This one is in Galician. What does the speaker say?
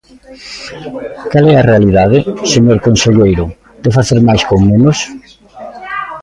¿Cal é a realidade, señor conselleiro, de facer máis con menos?